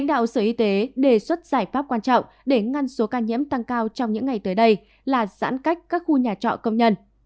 lãnh đạo sở y tế đề xuất giải pháp quan trọng để ngăn số ca nhiễm tăng cao trong những ngày tới đây là giãn cách các khu nhà trọ công nhân